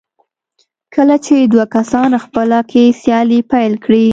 کله چې دوه کسان خپله کې سیالي پيل کړي.